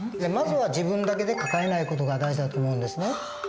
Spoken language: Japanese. まずは自分だけで抱えない事が大事だと思うんですね。